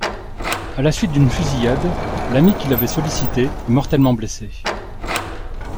À la suite d'une fusillade, l'ami qui l'avait sollicité est mortellement blessé.